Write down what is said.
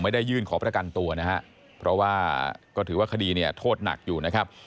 ยื่นขอประกันตัวนะฮะเพราะว่าก็ถือว่าคดีเนี่ยโทษหนักอยู่นะครับ